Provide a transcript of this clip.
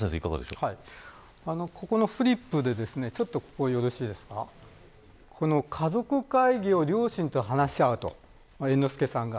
ここのフリップで家族会議を両親と話し合う猿之助さんが。